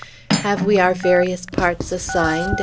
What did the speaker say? "Have we our various parts assigned?"